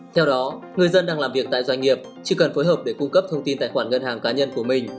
theo đó người dân đang làm việc tại doanh nghiệp chỉ cần phối hợp để cung cấp thông tin tài khoản ngân hàng cá nhân của mình